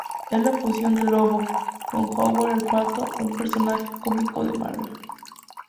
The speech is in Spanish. Es la fusión de Lobo, con Howard el pato, un personaje cómico de Marvel.